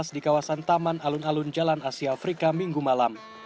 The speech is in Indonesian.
di kawasan taman alun alun jalan asia afrika minggu malam